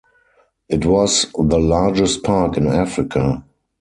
It was the largest park in Africa.